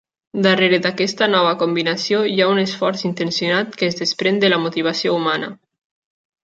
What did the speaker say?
Darrere d'aquesta nova combinació hi ha un esforç intencionat que es desprèn de la motivació humana.